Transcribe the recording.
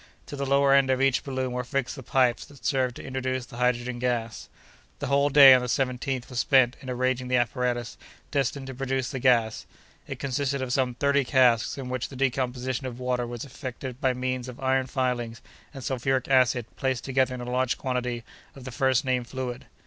To the lower end of each balloon were fixed the pipes that served to introduce the hydrogen gas. The whole day, on the 17th, was spent in arranging the apparatus destined to produce the gas; it consisted of some thirty casks, in which the decomposition of water was effected by means of iron filings and sulphuric acid placed together in a large quantity of the first named fluid.